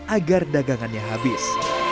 agar dagangannya habis